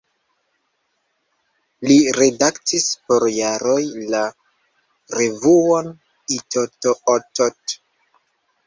Li redaktis por jaroj la revuon "Itt-Ott".